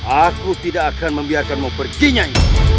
aku tidak akan membiarkanmu pergi nyai